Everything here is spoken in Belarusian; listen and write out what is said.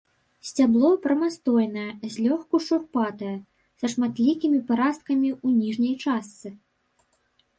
Сцябло прамастойнае, злёгку шурпатае, са шматлікімі парасткамі ў ніжняй частцы.